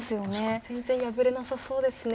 全然破れなさそうですね。